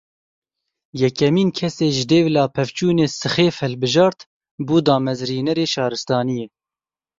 Yekemîn kesê ji dêvla pevçûnê sixêf hilbijart, bû damezrînerê şaristaniyê.